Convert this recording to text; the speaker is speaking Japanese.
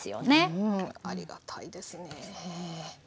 うんありがたいですね。